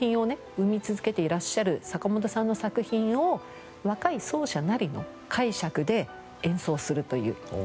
生み続けていらっしゃる坂本さんの作品を若い奏者なりの解釈で演奏するという。